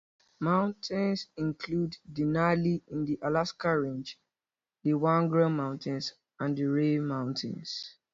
Mountains include Denali in the Alaska Range, the Wrangell Mountains, and the Ray Mountains.